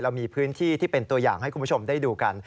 เรามีพื้นที่ที่เป็นตัวอย่างให้คุณผู้ชมได้ดูกัน